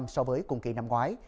so với cùng kỳ năm ngoái